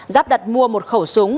giáp đặt mua một khẩu súng